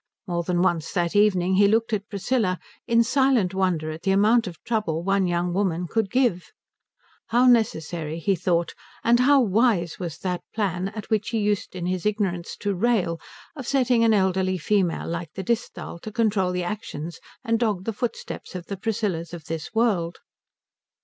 More than once that evening he looked at Priscilla in silent wonder at the amount of trouble one young woman could give. How necessary, he thought, and how wise was that plan at which he used in his ignorance to rail, of setting an elderly female like the Disthal to control the actions and dog the footsteps of the Priscillas of this world.